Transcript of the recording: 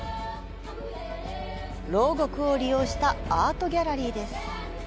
牢獄を利用したアートギャラリーです。